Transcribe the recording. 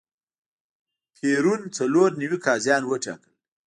پېرون څلور نوي قاضیان وټاکل.